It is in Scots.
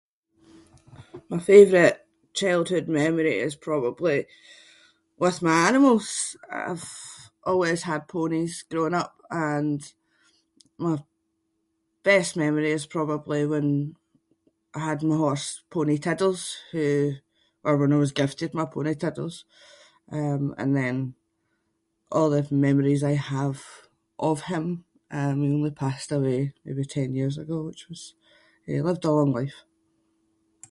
My favourite childhood memory is probably with my animals. I’ve always had ponies growing up and my best memory is probably when I had my horse- pony, Tiddles, who- or, you know, when I was gifted my pony Tiddles um and then all the memories I have of him. Um he only passed away maybe ten years ago which was- he lived a long life.